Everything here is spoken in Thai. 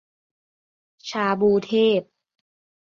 ชาบูเทพ